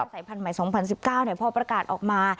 ภัยภัณฑ์ใหม่๒๐๑๙พอประกาศออกมา